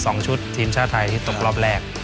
ชุดทีมชาติไทยที่ตกรอบแรก